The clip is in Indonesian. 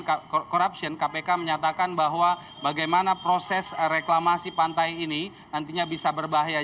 karena corruption kpk menyatakan bahwa bagaimana proses reklamasi pantai ini nantinya bisa berbahaya